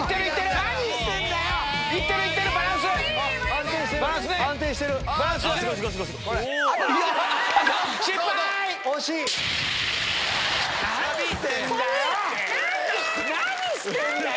何してんだよ！